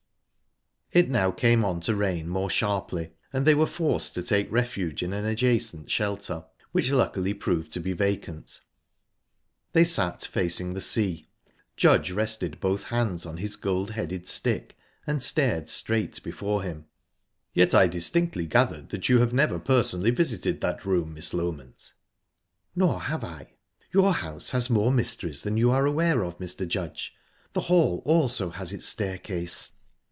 It now came on to rain more sharply, and they were forced to take refuge in an adjacent shelter, which luckily proved to be vacant. They sat facing the sea. Judge rested both hands on his gold headed stick, and stared straight before him. "Yet I distinctly gathered that you have never personally visited that room, Miss Loment?" "Nor have I. Your house has more mysteries than you are aware of, Mr. Judge. The hall also has its staircase."